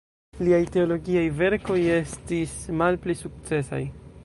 Liaj teologiaj verkoj estis malpli sukcesaj.